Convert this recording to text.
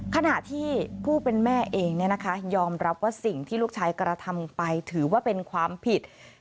ขณะที่ผู้เป็นแม่เองยอมรับว่าสิ่งที่ลูกชายกระทำไปถือว่าเป็นความผิด